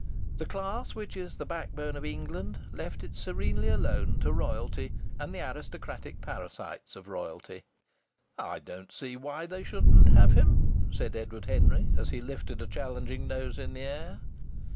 The class which is the backbone of England left it serenely alone to royalty and the aristocratic parasites of royalty. "I don't see why they shouldn't have him," said Edward Henry, as he lifted a challenging nose in the air.